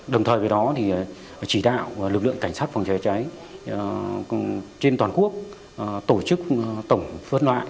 đồng thời với đó thì chỉ đạo lực lượng cảnh sát phòng cháy cháy trên toàn quốc tổ chức tổng phân loại